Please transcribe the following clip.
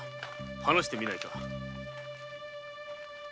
話してみないか。